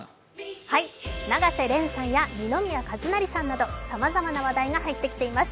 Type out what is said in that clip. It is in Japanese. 永瀬廉さんや二宮和也さんなどさまざまな話題が入ってきています。